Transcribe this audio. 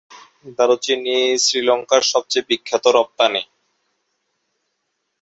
দারুচিনি শ্রীলঙ্কার সবচেয়ে বিখ্যাত রপ্তানি।